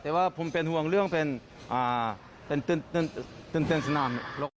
แต่ว่าผมเป็นห่วงเรื่องเป็นตื่นสนาม